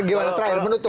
gimana terakhir menutup